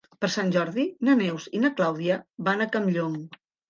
Per Sant Jordi na Neus i na Clàudia van a Campllong.